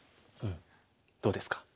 どうですか？